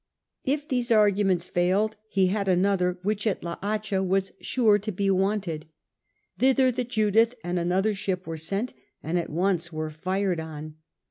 If these arguments failed he had another, which at La Hacha was sure to be wanted. Thither the Jvdiih and another ship were sent, and at once were fired on.